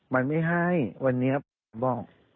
มันไม่ให้วันนี้ผมบอก